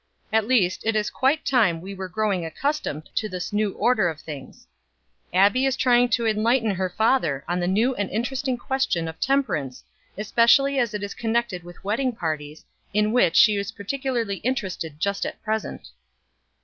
"At least it is quite time we were growing accustomed to this new order of things. Abbie is trying to enlighten her father on the new and interesting question of temperance, especially as it is connected with wedding parties, in which she is particularly interested just at present."